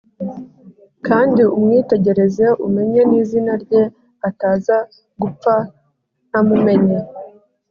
kandi umwitegereze umenye n'izina rye ataza gupfa ntamumenye